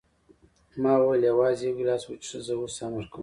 ما وویل: یوازې یو ګیلاس وڅښه، زه اوس امر کوم.